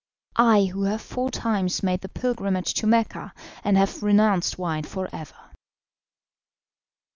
I who have four times made the pilgrimage to Mecca, and have renounced wine for ever."